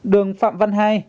đường phạm văn hai